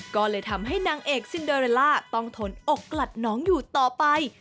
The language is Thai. ก็เลยทำให้นางเอกซินเดอเรลล่าต้องทนอกกลัดน้องอยู่ต่อไป